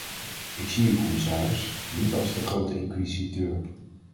Ik zie u, commissaris, niet als de grootinquisiteur.